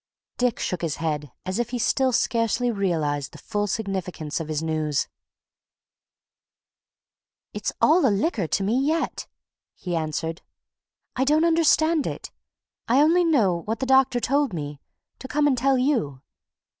Dick shook his head as if he still scarcely realized the full significance of his news. "It's all a licker to me yet!" he answered. "I don't understand it I only know what the doctor told me to come and tell you.